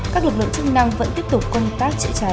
các lực lượng chức năng vẫn tiếp tục công tác chữa cháy